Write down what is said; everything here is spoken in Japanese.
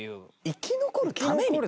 生き残るために？